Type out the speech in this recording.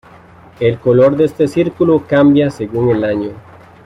El color de este círculo cambia según el año.